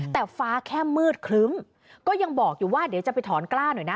แต่ฟ้าแค่มืดครึ้มก็ยังบอกอยู่ว่าเดี๋ยวจะไปถอนกล้าหน่อยนะ